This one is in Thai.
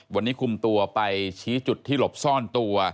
วันนี้คุมตัวไปชี้จุดที่หลบซ่อนตัว